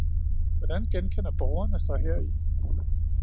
Hvordan genkender borgerne sig heri?